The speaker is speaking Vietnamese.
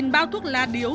ba mươi bao thuốc lá điếu